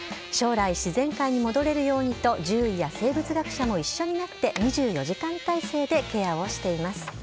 将来、自然界に戻れるようにと、獣医や生物学者も一緒になって、２４時間態勢でケアをしています。